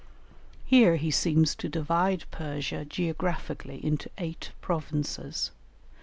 Here he seems to divide Persia geographically into eight provinces.